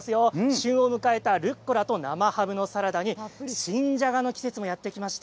旬を迎えたルッコラと生ハムのサラダに新じゃがの季節もやってきました。